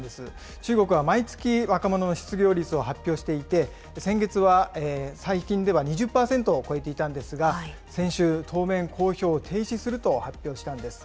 中国は毎月、若者の失業率を発表していて、先月は、最近では２０％を超えていたんですが、先週、当面、公表を停止すると発表したんです。